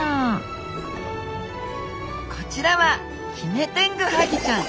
こちらはヒメテングハギちゃん！